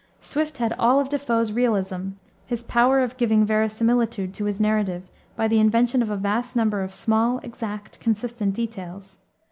Swift had all of De Foe's realism, his power of giving veri similitude to his narrative by the invention of a vast number of small, exact, consistent details.